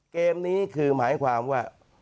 เกมนี้คือหมายความว่า